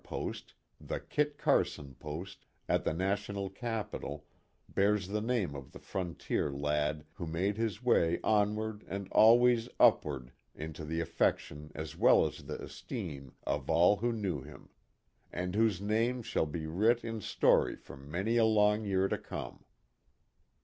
post, the " Kit Carson Post " at the National capitol, bears the name of the frontier lad who made his way onward and always upward into 50 KIT CARSON. the affection as well as the esteem of all who knew him ; and whose name shall be writ in story for many a long year to come.